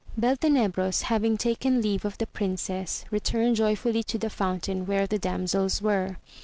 ELTENEBKOS having taken leave of the princess, returned joyfully to the fountain where the damsels were.